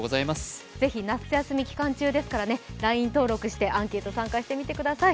ぜひ夏休み期間中ですからＬＩＮＥ登録してアンケートに参加してみてください。